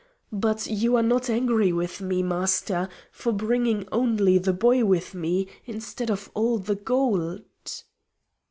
But you are not angry with me, Master, for bringing only the boy with me instead of all the gold?"